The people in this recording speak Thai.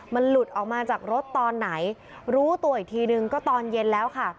มันหลุดออกมาจากรถตอนไหนรู้ตัวอีกทีนึงก็ตอนเย็นแล้วค่ะ